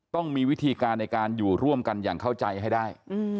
ต้องมีวิธีการในการอยู่ร่วมกันอย่างเข้าใจให้ได้